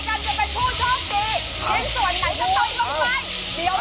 ได้อีกไหมค่ะโกยอีกโกยอีกโกยอีกโกยอีก